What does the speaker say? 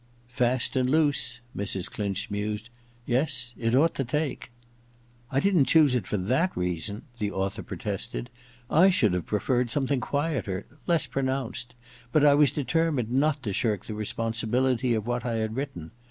*" Fast and Loose," ' Mrs. Clinch mused. * Yes, it ought to take.* ^ I didn't choose it for that reason !* the author protested. *I should have preferred something quieter — less pronounced ; but I was determined not to shirk the responsibility of what 1 had written.